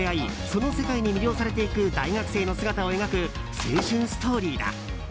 その世界に魅了されていく大学生の姿を描く青春ストーリーだ。